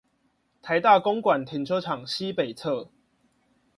臺大公館停車場西北側